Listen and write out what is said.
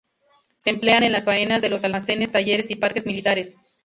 Se emplean en las faenas de los almacenes, talleres y parques militares.